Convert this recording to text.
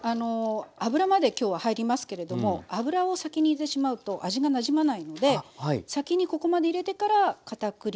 油まで今日は入りますけれども油を先に入れてしまうと味がなじまないので先にここまで入れてから片栗粉。